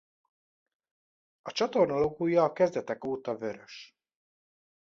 A csatorna logója a kezdetek óta vörös.